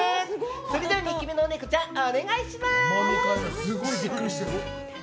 それでは２匹目のネコちゃんお願いします！